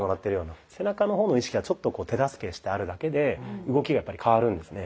背中の方の意識がちょっと手助けしてあるだけで動きがやっぱり変わるんですね。